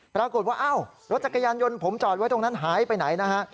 ปรากฏว่าอ้าวรถจักรยานยนต์ผมจอดไว้ตรงนั้นหายไปไหนนะฮะ